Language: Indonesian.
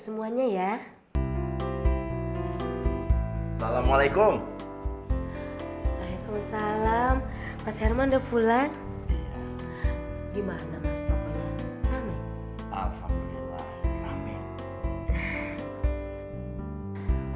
semuanya ya assalamualaikum waalaikumsalam pas herman udah pulang gimana mas paman amin